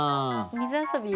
水遊び。